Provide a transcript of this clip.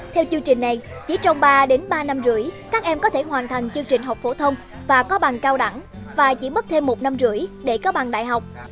theo chương trình này chỉ trong ba đến ba năm rưỡi các em có thể hoàn thành chương trình học phổ thông và có bằng cao đẳng và chỉ mất thêm một năm rưỡi để có bằng đại học